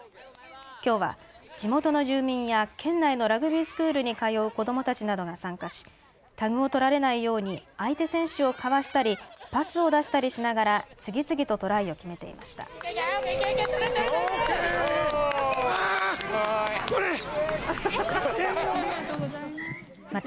きょうは地元の住民や県内のラグビースクールに通う子どもたちなどが参加しタグを取られないように相手選手をかわしたりパスを出したりしながら次々とトライを決めていました。